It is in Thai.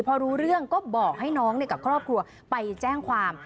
พอรู้เรื่องก็บอกให้น้องกับครอบครัวไปแจ้งความ